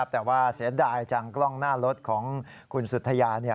แต่ว่าเสียดายจังกล้องหน้ารถของคุณสุธยา